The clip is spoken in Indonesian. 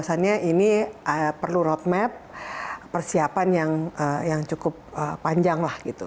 maksudnya ini perlu roadmap persiapan yang cukup panjang lah gitu